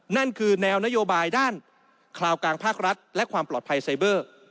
นั่นคือแนวนโยบายด้านคราวกลางภาครัฐและความปลอดภัยไซเบอร์